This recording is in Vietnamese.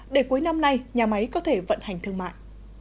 để cuối năm nay nhà máy có thể vận hành thương mại